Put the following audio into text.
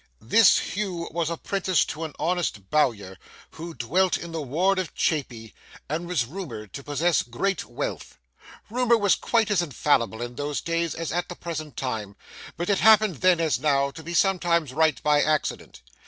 This Hugh was apprenticed to an honest Bowyer who dwelt in the ward of Cheype, and was rumoured to possess great wealth. Rumour was quite as infallible in those days as at the present time, but it happened then as now to be sometimes right by accident.